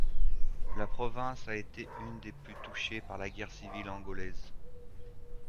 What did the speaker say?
La province a été une des plus touchées par la guerre civile angolaise.